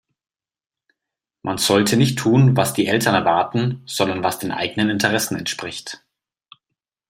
Man sollte nicht tun, was die Eltern erwarten, sondern was den eigenen Interessen entspricht.